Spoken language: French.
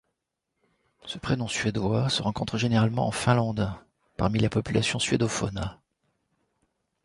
Ce prénom suédois se rencontre également en Finlande, parmi la population suédophone.